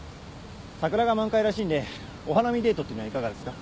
桜が満開らしいんでお花見デートっていうのはいかがですか？